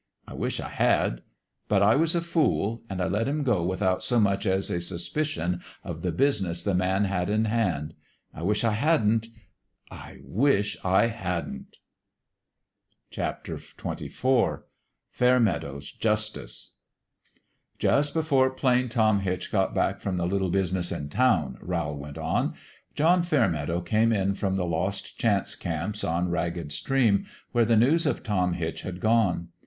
I wish I had. But I was a fool ; and I let him go without so much as a suspicion of the business the man had in hand. I wish I hadn't I wish I hadn't 1 " XXIV FA1RMEADOWS JUSTICE " T US' before Plain Tom Hitch got back from ; the little business in town/' Rowl went on, %J " John Fairmeadow came in from the Lost Chance camps on Ragged Stream, where the news of Tom Hitch had gone.